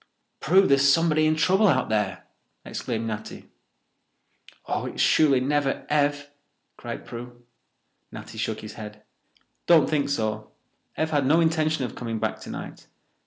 "Prue, there's somebody in trouble out there!" exclaimed Natty. "Oh, it's surely never Ev!" cried Prue. Natty shook his head. "Don't think so. Ev had no intention of coming back tonight.